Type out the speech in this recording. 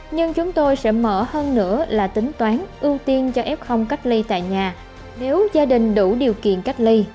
nhưng chúng tôi sẽ mở hơn nữa là tính toán ưu tiên cho f cách ly tại nhà nếu gia đình đủ điều kiện cách ly